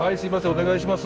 お願いします。